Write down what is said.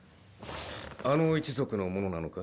あの一族の者なのか？